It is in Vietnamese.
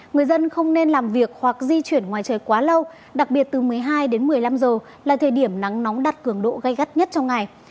người dân không nên làm việc hoặc di chuyển ngoài trời quá lâu đặc biệt từ một mươi hai đến một mươi năm giờ là thời điểm nắng nóng đặt cường độ gây gắt nhất trong ngày